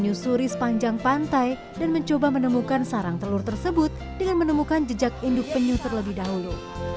menyusuri sepanjang pantai dan mencoba menemukan sarang telur tersebut dengan menemukan jejak induk penyu terlebih dahulu